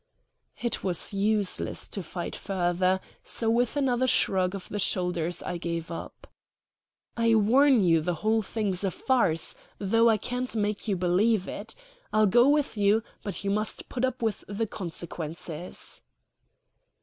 It was useless to fight further, so with another shrug of the shoulders I gave up. "I warn you the whole thing's a farce, though I can't make you believe it. I'll go with you; but you must put up with the consequences."